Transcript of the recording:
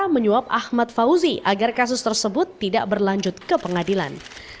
menyuap ahmad fauzi agar kasus tersebut tidak berlanjut ke pengadilan